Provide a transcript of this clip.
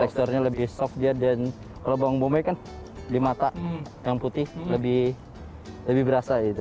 teksturnya lebih soft dia dan kalau bawang bombay kan di mata yang putih lebih berasa gitu